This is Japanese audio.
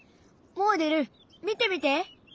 もおでる見てみて。